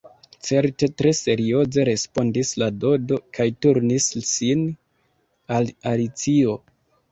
"Certe," tre serioze respondis la Dodo, kaj turnis sin al Alicio.